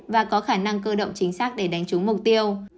và có khả năng cơ động chính xác để đánh trúng mục tiêu